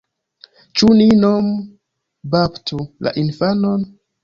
Ĉu ni nom-baptu la infanon?